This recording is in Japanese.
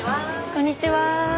こんにちは。